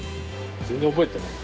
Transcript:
全然覚えてない？